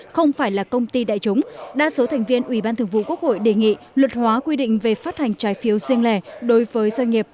không phải là công ty đại chúng đa số thành viên ủy ban thường vụ quốc hội đề nghị luật hóa quy định về phát hành trái phiếu riêng lẻ đối với doanh nghiệp